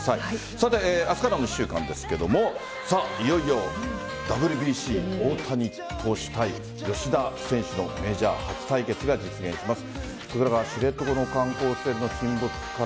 さて、明日からの１週間ですがいよいよ、ＷＢＣ大谷投手対吉田選手のメジャー初対決が実現します。